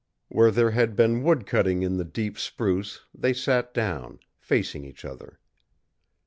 Where there had been wood cutting in the deep spruce they sat down, facing each other.